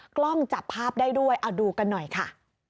กล้องจับภาพได้ด้วยเอาดูกันหน่อยค่ะ